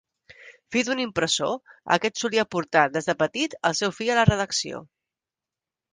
Fill d'un impressor, aquest solia portar des de petit al seu fill a la redacció.